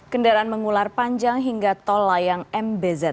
kendaraan mengular panjang hingga tol layang mbz